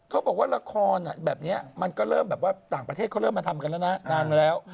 เขาบอกว่าละครแบบนี้มันก็เริ่มแบบว่าต่างประเทศเขาเริ่มมาทำกันแล้วนะนานมาแล้ว